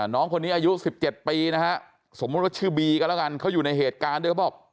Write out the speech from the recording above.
น้องคนนี้อายุ๑๗ปีนะฮะสมมุติว่าชื่อบีก็แล้วกันเขาอยู่ในเหตุการณ์ด้วยเขาบอก